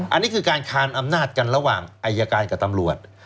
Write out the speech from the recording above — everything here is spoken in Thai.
อันนี้คือการคานอำนาจกันระหว่างอายการกับตำรวจ